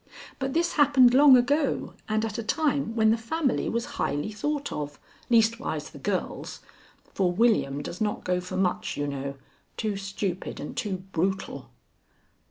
But this happened long ago and at a time when the family was highly thought of, leastwise the girls, for William does not go for much, you know too stupid and too brutal."